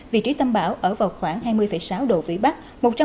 vị trí tâm bão ở vào khoảng hai mươi sáu độ vĩ bắc